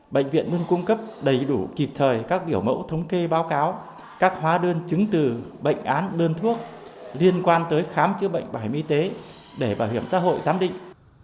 bệnh viện luôn cung cấp đầy đủ kịp thời các biểu mẫu thống kê báo cáo các hóa đơn chứng từ bệnh án đơn thuốc liên quan tới khám chữa bệnh bảo hiểm y tế để bảo hiểm xã hội giám định